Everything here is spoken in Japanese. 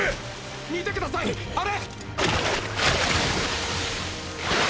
見て下さいあれ！